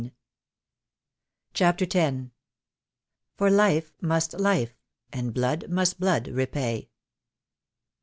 I 55 CHAPTER X. "For life must life, and blood must blood repay."